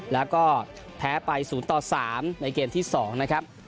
แล้วก็แพ้ไป๐ต่อ๓ในเกมที่๒นะครับ